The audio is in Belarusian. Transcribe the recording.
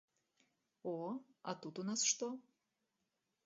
О, а тут у нас што?